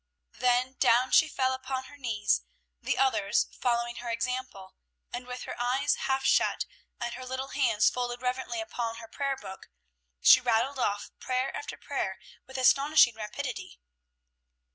Then down she fell upon her knees, the others following her example, and with her eyes half shut, and her little hands folded reverently upon her prayer book, she rattled off prayer after prayer with astonishing rapidity.